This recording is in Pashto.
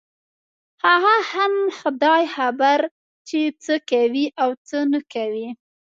هغه هم خداى خبر چې څه کوي او څه نه کوي.